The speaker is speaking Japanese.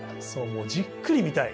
もうじっくり見たい。